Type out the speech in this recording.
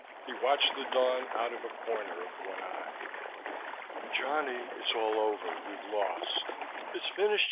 He watched the dawn out of a corner of one eye. "Johnny, it's all over, we've lost, it's finished.